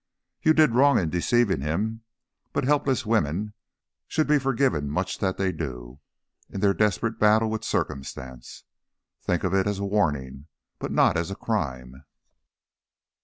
"You did wrong in deceiving him, but helpless women should be forgiven much that they do, in their desperate battle with Circumstance. Think of it as a warning, but not as a crime."